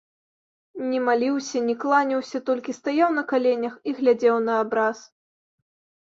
Не маліўся, не кланяўся, толькі стаяў на каленях і глядзеў на абраз.